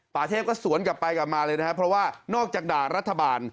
เทพก็สวนกลับไปกลับมาเลยนะครับเพราะว่านอกจากด่ารัฐบาล